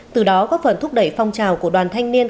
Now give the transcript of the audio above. từ đó có phần thúc đẩy phong trào của đoàn thanh niên